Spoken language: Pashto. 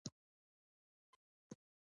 ورانګل ماموتان څو زره کاله نورو ته پاتې وو.